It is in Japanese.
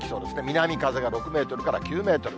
南風が６メートルから９メートル。